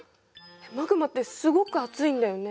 マグマってすごく熱いんだよね。